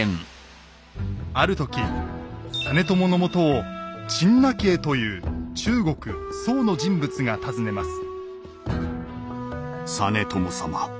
ある時実朝のもとを陳和という中国宋の人物が訪ねます。